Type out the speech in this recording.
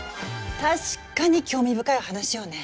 確かに興味深い話よね。